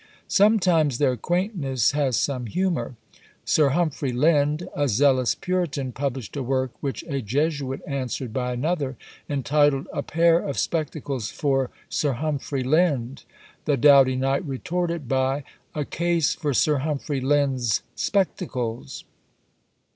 Sometimes their quaintness has some humour. Sir Humphrey Lind, a zealous puritan, published a work which a Jesuit answered by another, entitled "A Pair of Spectacles for Sir Humphrey Lind." The doughty knight retorted, by "A Case for Sir Humphrey Lind's Spectacles."